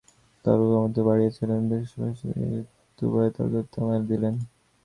তর্ক ক্রমাগত বাড়িয়া চলিয়াছে দেখিয়া স্বামীজী ও তুরীয়ানন্দ স্বামী উভয়ে তর্ক-বিতর্ক থামাইয়া দিলেন।